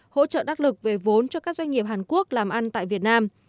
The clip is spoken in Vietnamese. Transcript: hỗ trợ đắc lực về vốn cho các doanh nghiệp hàn quốc làm ăn tại việt nam